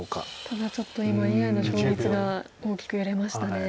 ただちょっと今ＡＩの勝率が大きく揺れましたね。